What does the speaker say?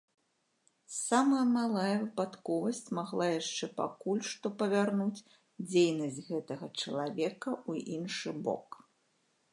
Самая малая выпадковасць магла яшчэ пакуль што павярнуць дзейнасць гэтага чалавека ў іншы бок.